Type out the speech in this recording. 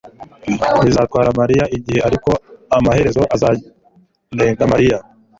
Bizatwara mariya igihe ariko amaherezo azarenga Mariya